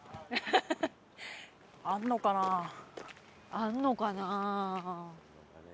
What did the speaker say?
あるのかな？